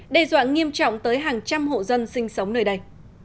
đe dọa nghiêm trọng tới hàng trăm hộ dân sinh sống nơi đây